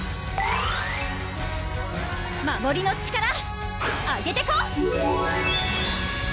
守りの力アゲてこ！